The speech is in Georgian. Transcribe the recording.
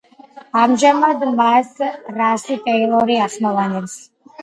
ამჟამად მას რასი ტეილორი ახმოვანებს.